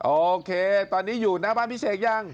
โอเคตอนนี้อยู่หน้าบ้านพี่เสกยัง